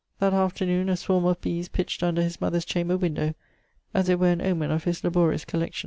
That afternoon a swarme of bees pitch't under his mother's chamber window, as it were an omen of his laborious collections.